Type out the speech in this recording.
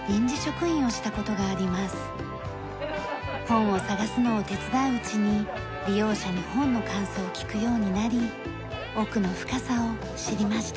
本を探すのを手伝ううちに利用者に本の感想を聞くようになり奥の深さを知りました。